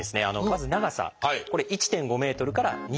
まず長さこれ１．５ｍから２ｍ。